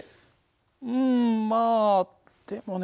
うんまあでもね